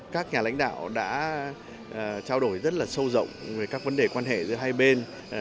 các nhà lãnh đạo đã trao đổi rất là sâu rộng về các vấn đề quan hệ giữa hai bên